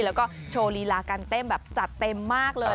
แล้วก็โชว์ลีลาการเต้นแบบจัดเต็มมากเลย